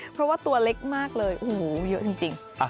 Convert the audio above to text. เพราะว่าตัวเล็กมากเลยโอ้โหเยอะจริง